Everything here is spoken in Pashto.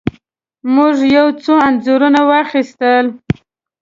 موږ یو څو انځورونه واخیستل.